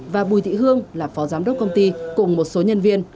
và bùi thị hương là phó giám đốc công ty cùng một số nhân viên